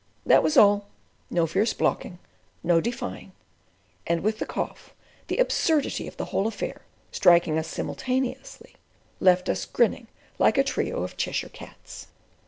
That was all: no fierce blocking, no defying. And with the cough, the absurdity of the whole affair, striking us simultaneously, left us grinning like a trio of Cheshire cats.